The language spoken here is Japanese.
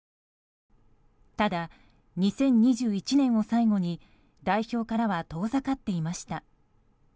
ただ、２０２１年を最後に代表からは遠ざかっていました。